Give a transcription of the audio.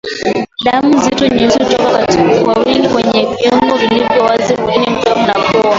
Damu nzito nyeusi hutoka kwa wingi kwenye viungo vilivyo wazi mwilini mdomo na pua